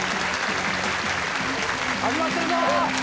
始まってるぞ！